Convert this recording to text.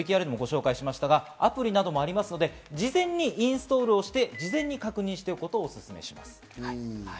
アプリなどもありますので、事前にインストールをして事前に確認しておくことをおすすめします。